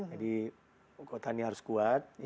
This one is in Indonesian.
jadi kota ini harus kuat